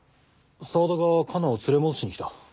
沢田がカナを連れ戻しに来た。